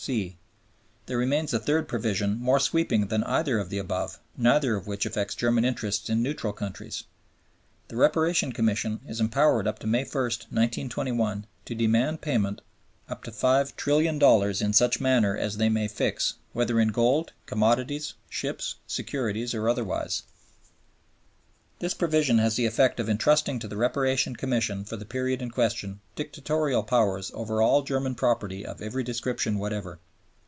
(c) There remains a third provision more sweeping than either of the above, neither of which affects German interests in neutral countries. The Reparation Commission is empowered up to May 1, 1921, to demand payment up to $5,000,000,000 in such manner as they may fix, "whether in gold, commodities, ships, securities or otherwise." This provision has the effect of intrusting to the Reparation Commission for the period in question dictatorial powers over all German property of every description whatever.